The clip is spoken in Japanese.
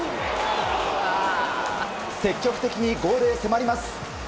積極的にゴールへ迫ります。